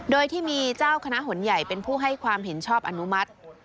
โดยที่มีเจ้าคณะหนใหญ่เป็นผู้ให้ความเห็นชอบอนุมัติ